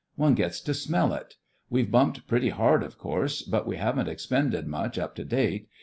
One gets to smell it. We've bumped pretty hard, of course, but we haven't expended much up to date.